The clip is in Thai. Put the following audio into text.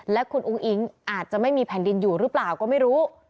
และคุณอุ้งอิ๊งอาจจะไม่มีแผ่นดินอยู่หรือเปล่าก็ไม่รู้